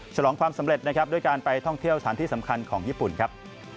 ฉลองความสำเร็จนะครับด้วยการไปท่องเที่ยวสถานที่สำคัญของญี่ปุ่นครับ